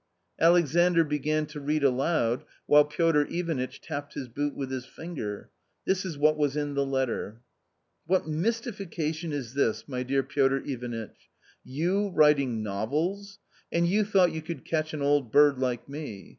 Alexandr began to read aloud, while Piotr Ivanitch tapped his boot with his finger. This is what was in the letter : "What mystification is this, my dear Piotr Ivanitch? You writing novels! And you thought you could catch an old bird like me?